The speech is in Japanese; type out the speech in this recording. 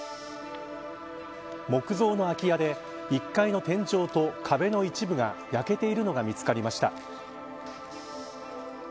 木造の空き家で１階の天井と壁の一部が焼けているのが見つかりました。